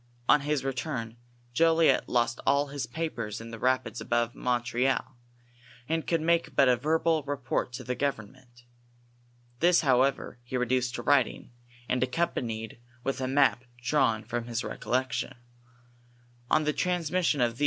On his return Jolliet lost all his papers in the rapids above Mon treal, and could make but a verbal report to the government. This, however, he reduced to writing, and accompnnied with a map drawn from rt'C(»llection. On the transmission of these IS!;;! m, ;■